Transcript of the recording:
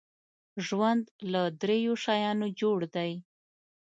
ژوند له دریو شیانو جوړ دی .